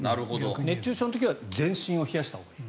熱中症の時は全身を冷やしたほうがいい。